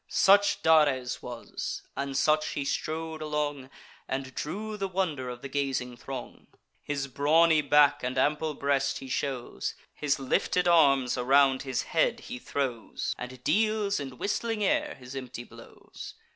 Such Dares was; and such he strode along, And drew the wonder of the gazing throng. His brawny back and ample breast he shows, His lifted arms around his head he throws, And deals in whistling air his empty blows.